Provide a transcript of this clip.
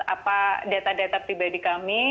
apa data data pribadi kami